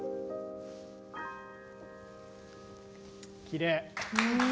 きれい。